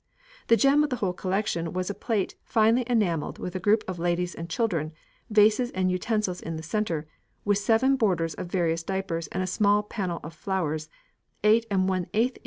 The gem of the whole collection was a plate, finely enamelled with a group of ladies and children, vases and utensils in the centre, with seven borders of various diapers and small panel of flowers, 8Ōģø in.